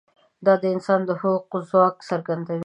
دا د انسان د هوښ ځواک څرګندوي.